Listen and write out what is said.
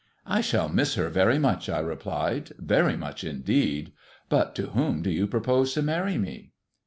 "I shall miss her very much," I replied, "very much indeed; but to whom do you propose to marry me?"